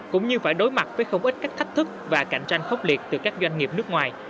cũng như phải đối mặt với không ít các thách thức và cạnh tranh khốc liệt từ các doanh nghiệp nước ngoài